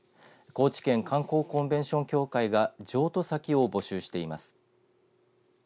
高知県観光コンベンション協会が譲渡先を募集しています。